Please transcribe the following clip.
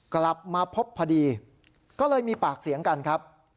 กลับมาพบพอดีก็เลยมีปากเสียงกันครับ